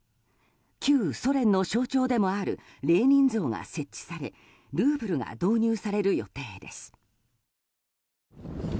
旧ソ連の象徴でもあるレーニン像が設置されルーブルが導入される予定です。